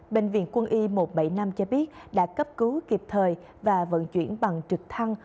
bệnh viện quân y một trăm bảy mươi năm cho biết đã cấp cứu kịp thời và vận chuyển bằng trực thăng